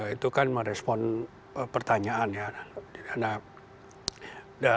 itu kan merespon pertanyaannya